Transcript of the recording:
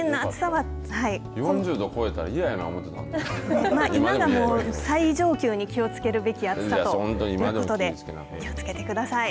４０度超えたら今がもう最上級に気をつけるべき暑さということで気をつけてください。